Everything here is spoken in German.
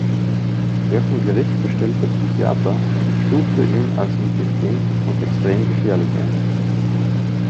Der vom Gericht bestellte Psychiater stufte ihn als intelligent und extrem gefährlich ein.